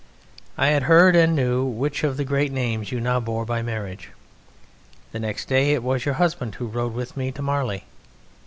I had heard and knew which of the great names you now bore by marriage. The next day it was your husband who rode with me to Marly.